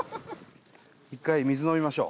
１回水飲みましょう。